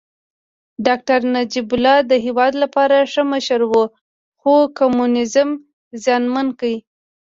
داکتر نجيب الله د هېواد لپاره ښه مشر و خو کمونيزم زیانمن کړ